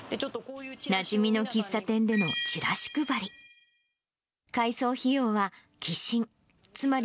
なじみの喫茶店でのちらし配り。